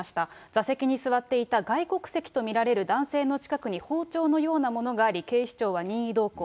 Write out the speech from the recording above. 座席に座っていた外国籍と見られる男性の近くに包丁のようなものがあり、警視庁は任意同行。